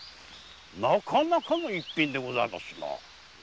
なかなかの逸品でございますな。